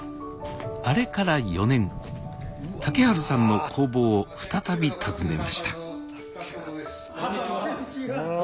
あれから４年竹春さんの工房を再び訪ねましたこんにちは。